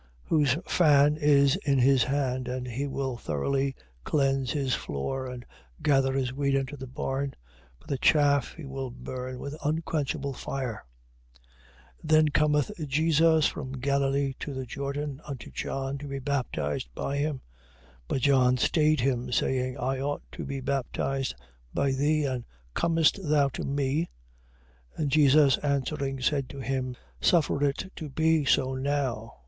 3:12. Whose fan is in his hand, and he will thoroughly cleanse his floor and gather his wheat into the barn; but the chaff he will burn with unquenchable fire. 3:13. Then cometh Jesus from Galilee to the Jordan, unto John, to be baptized by him. 3:14. But John stayed him, saying: I ought to be baptized by thee, and comest thou to me? 3:15. And Jesus answering, said to him: Suffer it to be so now.